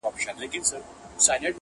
زه لرمه کاسې ډکي د همت او قناعته،